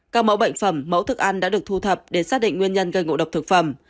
các mẫu bệnh phẩm mẫu thức ăn đã được thu thập để xác định nguyên nhân gây ngộ độc thực phẩm